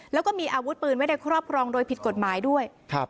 แล้วก็มีอาวุธปืนไว้ในครอบครองโดยผิดกฎหมายด้วยครับ